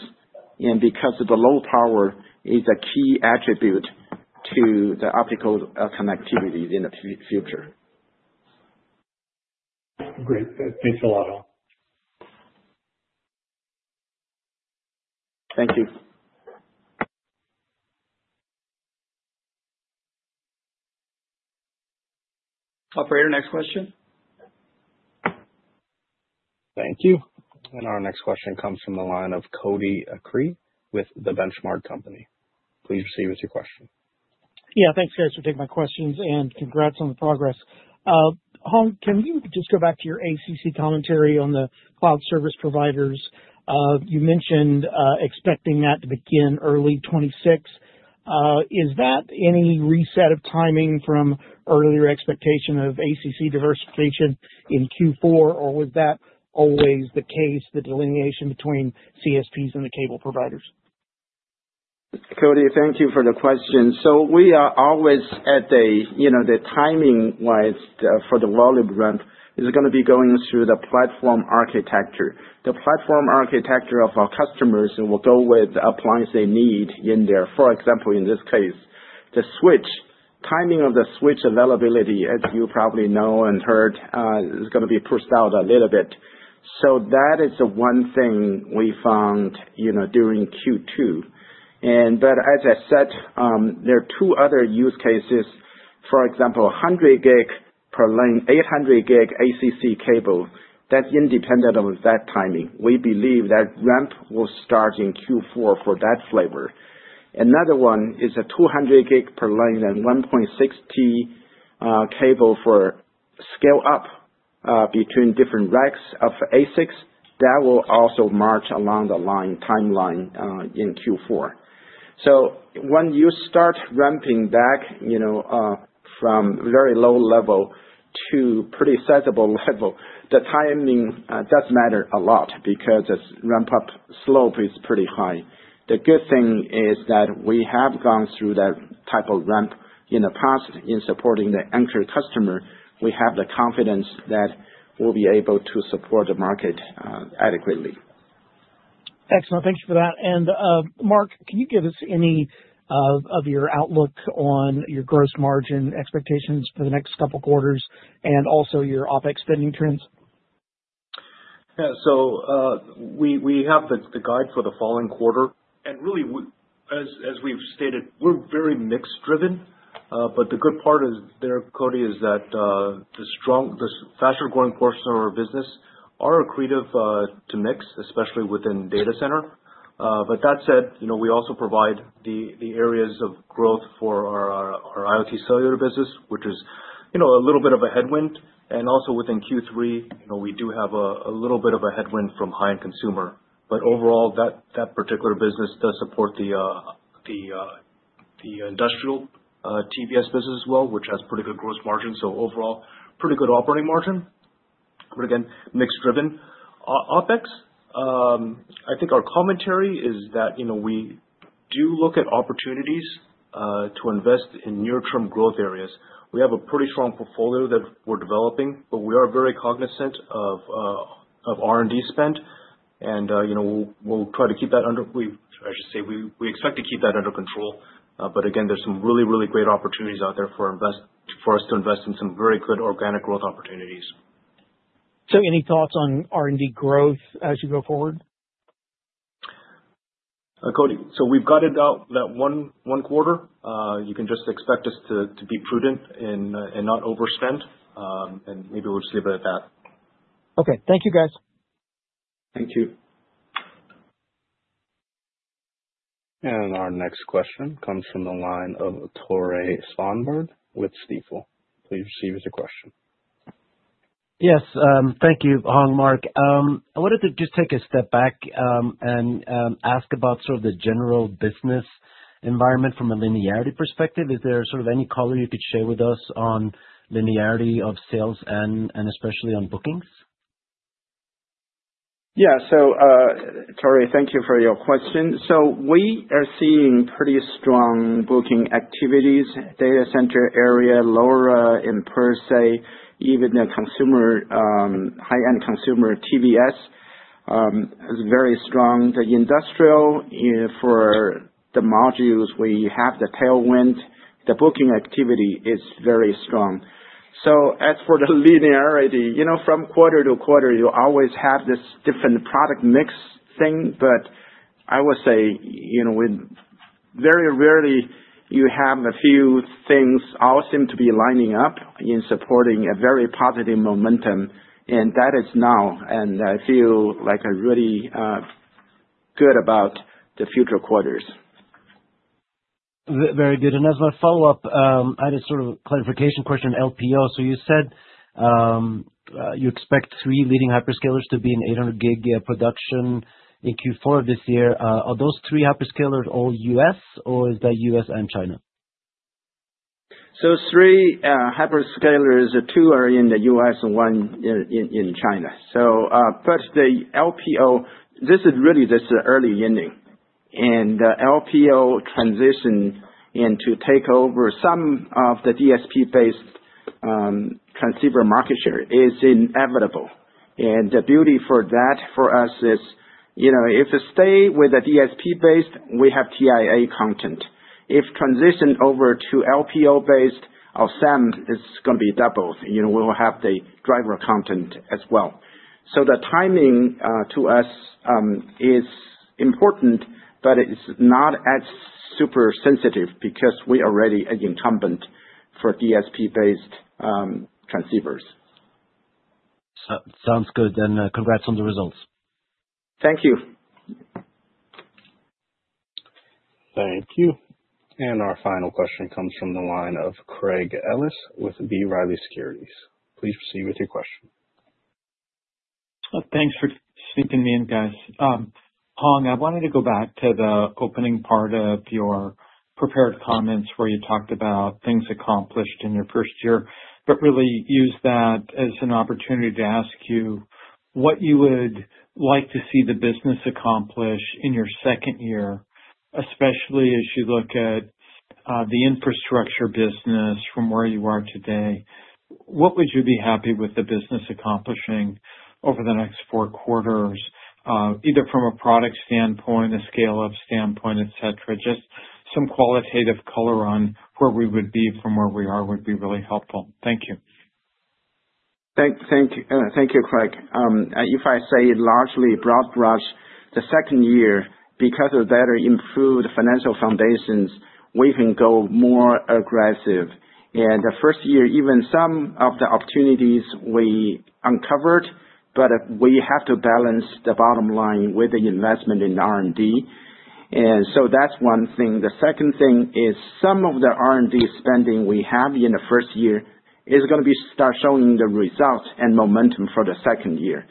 and because the low power is a key attribute to the optical connectivity in the future. Great. Thanks a lot. Thank you. Next question. Thank you. Our next question comes from the line of Cody Acree with The Benchmark Company. Please proceed with your question. Yeah, thanks Mark for taking my questions and congrats on the progress. Hong, can you just go back to your ACC commentary on the cloud service providers, you mentioned expecting that to begin early 2026. Is that any reset of timing from earlier expectation of ACC diversification in Q4, or was that always the case, the delineation between CSPs and the cable providers? Cody, thank you for the question. We are always at the timing wise for the volume ramp. It is going to be going through the platform architecture, the platform architecture of our customers, and will go with appliance they need in there. For example, in this case, the switch timing of the switch availability, as you probably know and heard, is going to be pushed out a little bit. That is one thing we found during Q2. As I said, there are two other use cases, for example, 100G per 400G ACC cable that's independent of that timing. We believe that ramp will start in. Q4 for that flavor. Another one is a 200G per line 1.6T cable for scale up between different racks of ASICs that will also march along the timeline in Q4. When you start ramping back, you know from very low level to pretty sizable level, the timing does matter a lot because this ramp up slope is pretty high. The good thing is that we have gone through that type of ramp in the past in supporting the anchor customer. We have the confidence that we'll be able to support the market adequately. Excellent. Thanks for that. Mark, can you give us any of your outlook on your gross margin expectations for the next couple of quarters and also your OpEx spending trends. We have the guide for the following quarter and really as we've stated we're very mix driven. The good part there, Cody, is that the faster growing portion of our business are accretive to mix, especially within data center. That said, we also provide the areas of growth for our IoT cellular business, which is a little bit of a headwind. Also, within Q3, we do have a little bit of a headwind from high-end consumer, but overall that particular business does support the industrial TVS business as well, which has pretty good gross margin. Overall, pretty good operating margin. Again, mix driven OpEx. I think our commentary is that we do look at opportunities to invest in near-term growth areas. We have a pretty strong portfolio that we're developing, but we are very cognizant of R&D spend and we'll try to keep that under control. Again, there's some really, really great opportunities out there for us to invest in some very good organic growth opportunities. Any thoughts on R&D growth as you go forward? Cody. We have about that one quarter. You can just expect us to be prudent and not overspend, and maybe we'll see about that. Okay, thank you guys. Thank you. Our next question comes from the line of Tore Svanberg with Stifel. Please proceed with your question. Yes, thank you. Hong, Mark, I wanted to just take a step back and ask about sort of the general business environment from a linearity perspective. Is there sort of any color you could share with us on linearity of sales and especially on bookings? Yeah. Tory, thank you for your question. We are seeing pretty strong booking activities. Data center area, LoRa, and PerSe, even a consumer high-end consumer TVS is very strong. The industrial for the modules, we have the tailwind, the booking activity is very strong. As for the linearity, you know from quarter to quarter you always have this different product mix thing. I would say, you know, very rarely you have a few things all seem to be lining up in supporting a very positive momentum and that is now and I feel like I'm really good about to future quarters. Very good. As a follow up, I had a sort of clarification question. LPO. You said you expect three leading hyperscalers to be 800G production in Q4 of this year. Are those three hyperscalers all U.S. or is that U.S. and China? Three hyperscalers, two are in the U.S. and one in China. First, the LPO. This is really just the early ending and LPO transition into takeover. Some of the DSP-based transceiver market share is inevitable, and the beauty for that for us is, you know, if it stays with a DSP-based, we have TIA content. If it transitions over to LPO-based, our SAM is going to be doubled, you know, we will have the driver content as well. The timing to us is important, but it's not as super sensitive because we are already an incumbent for DSP-based transceivers. Sounds good, and congrats on the results. Thank you. Thank you. Our final question comes from the line of Craig Ellis with B. Riley Securities. Please proceed with your question. Thanks for speaking me in, guys. Hong, I wanted to go back to the opening part of your prepared comments where you talked about things accomplished in your first year. I really use that as an opportunity to ask you what you would like to see the business accomplish in your second year, especially as you look at the infrastructure business from where you are today. What would you be happy with the business accomplishing over the next four quarters, either from a product standpoint, a scale up standpoint, et cetera? Just some qualitative color on where we would be from where we are would be really helpful. Thank you. Thank you, Craig. If I say largely broad brush the second year because of that or improved financial foundations, we can go more aggressive in the first year, even some of the opportunities we uncovered. We have to balance the bottom line with the investment in R&D, and that's one thing. The second thing is some of the R&D spending we have in the first year is going to start showing the results and momentum for the second year.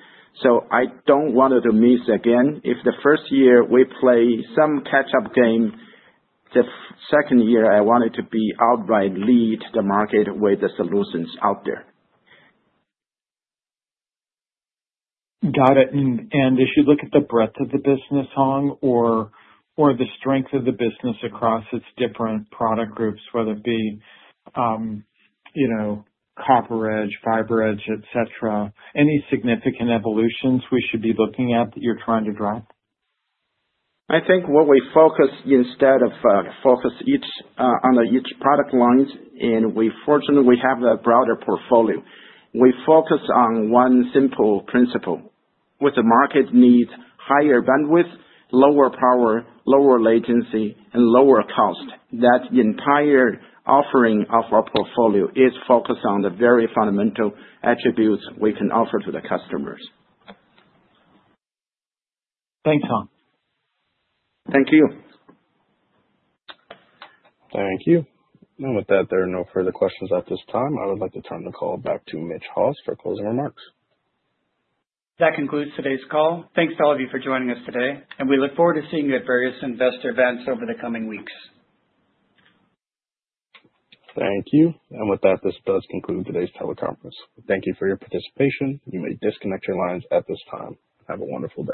I don't want to miss again if the first year we play some catch up game. The second year I wanted to be outright lead the market with the solutions out there. Got it. As you look at the breadth of the business, Hong, or the strength of the business across its different product groups, whether it be CopperEdge, FibreEdge, etc., are there any significant evolutions we should be looking at that you're trying to drive? I think what we focus instead of focus each on each product lines and we fortunately we have a broader portfolio, we focus on one simple principle: with the market needs higher bandwidth, lower power, lower latency, and lower cost. That entire offering of our portfolio is focused on the very fundamental attributes we can offer to the customers. Thanks Hong. Thank you. Thank you. With that, there are no further questions at this time. I would like to turn the call back to Mitch Haws for closing remarks. That concludes today's call. Thanks to all of you for joining us today, and we look forward to seeing you at various investor events over the coming weeks. Thank you. This does conclude today's teleconference. Thank you for your participation. You may disconnect your lines at this time. Have a wonderful day.